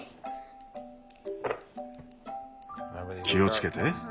気をつけて。